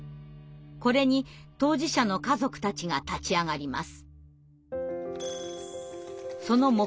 これに当事者の家族たちが立ち上がります。